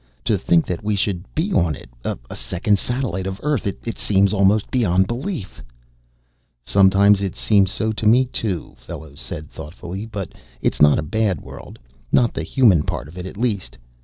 "To think that we should be on it a second satellite of Earth's it seems almost beyond belief." "Sometimes it seems so to me, too," Fellows said thoughtfully. "But it's not a bad world not the human part of it, at least.